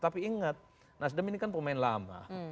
tapi ingat nasdem ini kan pemain lama